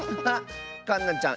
かんなちゃん